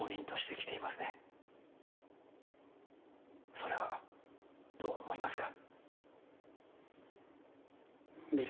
それはどう思いますか？